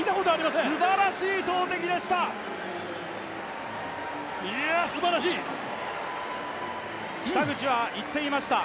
すばらしい投てきでした！